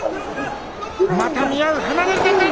また見合う、離れた。